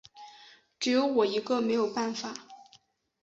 只有我一个没有办法